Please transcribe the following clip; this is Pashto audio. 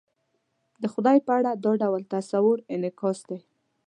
د خدای په اړه دا ډول تصور انعکاس دی.